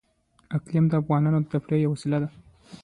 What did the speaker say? اقلیم د افغانانو د تفریح یوه وسیله ده.